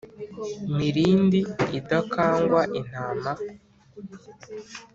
Mirindi idakangwa intama